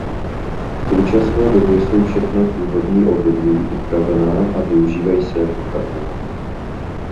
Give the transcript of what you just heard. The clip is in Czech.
V současné době jsou všechna původní obydlí upravená a využívají se jako chaty.